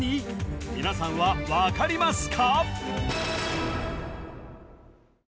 皆さんは分かりますか？